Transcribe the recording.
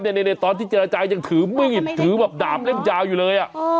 ในในในตอนที่เจรจัยยังถือมึงถือแบบดาบเล่มจาอยู่เลยอ่ะ